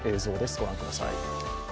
御覧ください。